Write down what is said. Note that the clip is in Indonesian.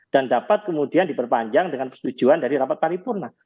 dan dapat kemudian diperpanjang dengan persetujuan dari rapat paripurna